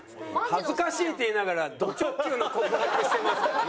恥ずかしいって言いながらド直球の告白してますからね。